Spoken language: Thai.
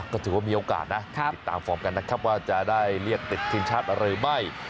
ก็ถือว่ามีโอกาสนะติดตามฟอร์มกันนะครับว่าจะได้เรียกติดทีมชาติหรือไม่